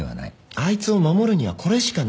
あいつを守るにはこれしかないんだよ。